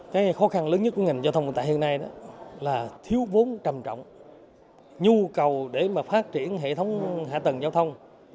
cái khó khăn lớn nhất của ngành giao thông hiện nay là thiếu vốn trầm trọng nhu cầu để phát triển hệ thống hạ tầng giao thông